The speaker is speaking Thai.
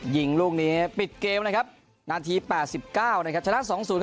ยิงลูกนี้ปิดเกมนะครับนาทีแปดสิบเก้านะครับชนะสองศูนย์